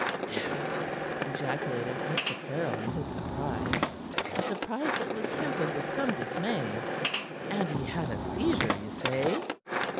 "'Sdeath!" ejaculated Mr. Caryll in his surprise, a surprise that was tempered with some dismay. "And he had a seizure, ye say?"